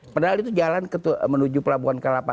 padahal itu jalan menuju pelabuhan kalapa satu